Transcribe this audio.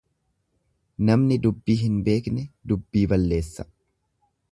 Namni dubbii hin beekne dubbii balleessa.